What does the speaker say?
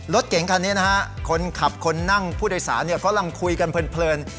รถเก่งคันนี้นะฮะคนขับคนนั่งผู้โดยสารกำลังคุยกันเพลิน